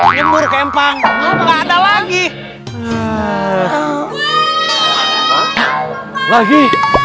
nyembur kempang lagi lagi